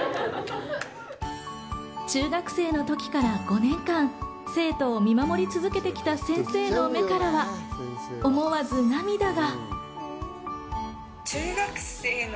中学生の時から５年間、生徒を見守り続けてきた先生の目からは思わず涙が。